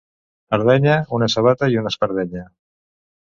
Ardenya, una sabata i una espardenya.